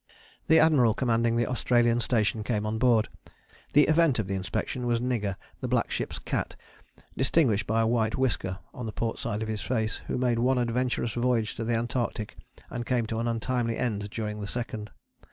The Admiral Commanding the Australian Station came on board. The event of the inspection was Nigger, the black ship's cat, distinguished by a white whisker on the port side of his face, who made one adventurous voyage to the Antarctic and came to an untimely end during the second.